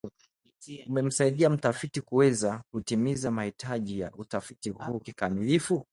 umemsaidia mtafiti kuweza kutimiza mahitaji ya utafiti huu kikamilifu